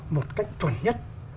một cách chuẩn nhất